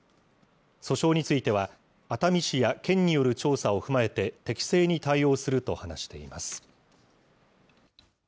訴訟については、熱海市や県による調査を踏まえて適正に対応すると話しています。